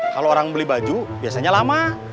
kalau orang beli baju biasanya lama